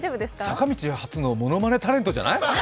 坂道初のものまねタレントじゃない？